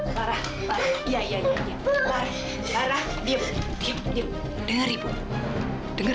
sampai jumpa di video selanjutnya